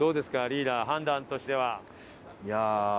リーダー判断としては。